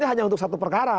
hanya untuk satu perkara